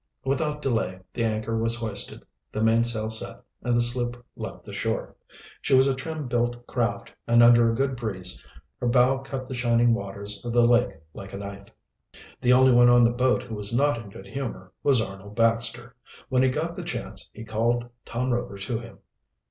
Without delay the anchor was hoisted, the mainsail set, and the sloop left the shore. She was a trim built craft, and under a good breeze her bow cut the shining waters of the lake like a knife. The only one on the boat who was not in good humor was Arnold Baxter. When he got the chance he called Tom Rover to him.